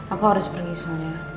aku harus berlisung ya